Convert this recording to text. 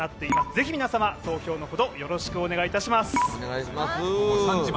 ぜひ皆様、投票のほどよろしくお願いいたします。